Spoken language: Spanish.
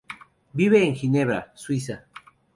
Vive en Ginebra, Suiza.